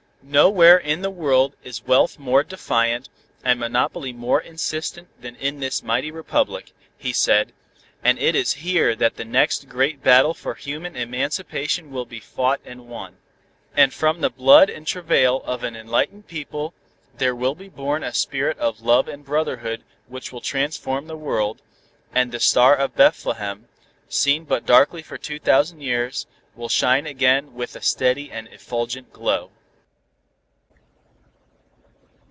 "Nowhere in the world is wealth more defiant, and monopoly more insistent than in this mighty republic," he said, "and it is here that the next great battle for human emancipation will be fought and won. And from the blood and travail of an enlightened people, there will be born a spirit of love and brotherhood which will transform the world; and the Star of Bethlehem, seen but darkly for two thousand years, will shine again with a steady and effulgent glow."